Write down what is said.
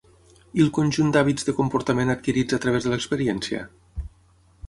I el conjunt d'hàbits de comportament adquirits a través de l'experiència?